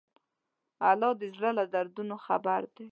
الله د زړه له دردونو خبر دی.